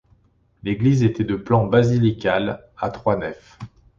L'église était de plan basilical, à trois nefs.